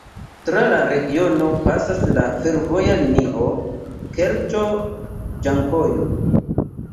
Tra la regiono pasas la fervoja linio Kerĉo-Ĝankojo.